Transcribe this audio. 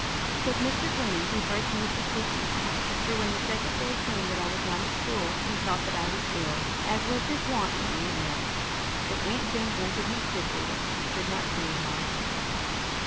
'Twas Mr. Glennie who first moved to seek me; for when the second day came that I was not at school, he thought that I was ill, and went to my aunt's to ask how I did, as was his wont when any ailed. But Aunt Jane answered him stiffly that she could not say how I did.